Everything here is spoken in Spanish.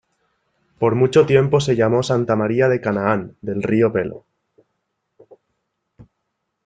Por mucho tiempo se llamó Santa María de Canaán del Río Pelo.